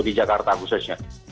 di jakarta khususnya